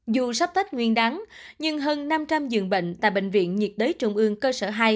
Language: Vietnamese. dù sắp tết nguyên đáng nhưng hơn năm trăm linh dường bệnh tại bệnh viện nhật đới trung ương cơ sở hai